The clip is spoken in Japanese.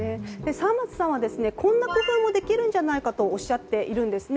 沢松さんは、こんな工夫もできるんじゃないかとおっしゃっているんですね。